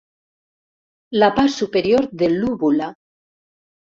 La part superior de l'úvula.